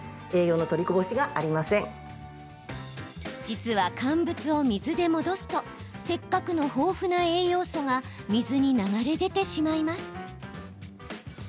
実は乾物を水で戻すとせっかくの豊富な栄養素が水に流れ出てしまいます。